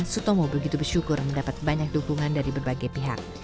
sutomo begitu bersyukur mendapat banyak dukungan dari berbagai pihak